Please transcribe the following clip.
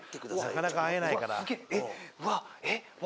なかなか会えないから。